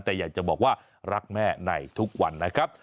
แต่อยากจะบอกว่ารักแม่ในทุกวันนะครับ